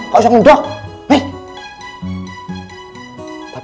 kamu tuh ikan